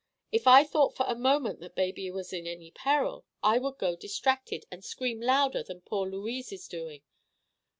If I thought for a moment that baby was in any peril I would go distracted, and scream louder than poor Louise is doing.